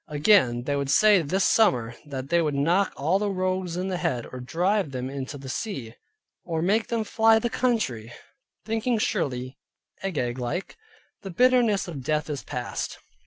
Again, they would say this summer that they would knock all the rogues in the head, or drive them into the sea, or make them fly the country; thinking surely, Agag like, "The bitterness of Death is past."